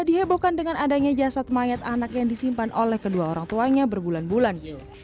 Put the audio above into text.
dihebohkan dengan adanya jasad mayat anak yang disimpan oleh kedua orang tuanya berbulan bulan